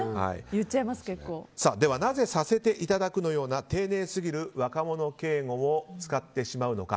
なぜ「させていただく」のような丁寧すぎる若者敬語を使ってしまうのか。